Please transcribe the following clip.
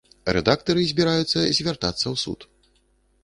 Рэдактары збіраюцца звяртацца ў суд.